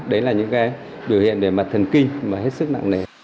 đấy là những cái biểu hiện về mặt thần kinh mà hết sức nặng nề